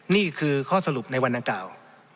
นี่คือข้อสรุปในวันดังกล่าว